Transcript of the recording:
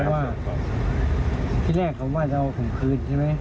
เพราะว่าที่แรกผมว่าจะเอาผมคืนใช่ไหม